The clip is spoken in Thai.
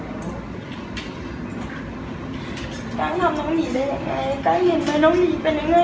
การรู้ไหมต่อที่เงินกี่ล้านก็เอาน้องบีกลับมาไม่ได้